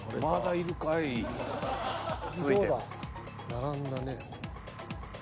並んだね。